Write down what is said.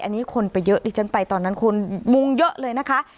อันนี้คนไปเยอะดิฉันไปตอนนั้นคนมุงเยอะเลยนะคะ